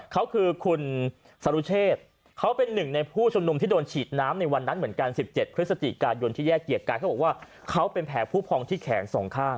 เขาคือคุณซารุเชษเขาเป็นหนึ่งในผู้ชมนุมที่โดนฉีดน้ำในวันนั้นเหมือนกัน